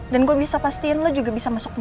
dan gue bisa pastiin lo juga bisa masuk jalan